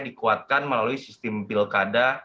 dikuatkan melalui sistem pilkada